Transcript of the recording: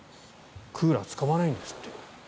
クーラー使わないんですって。